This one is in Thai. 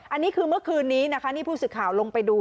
อันนี้คือเมื่อคืนนี้พูดสิทธิ์ข่าวลงไปดู